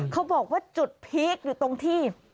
เขาบอกว่าจุดพีคอยู่ตรงที่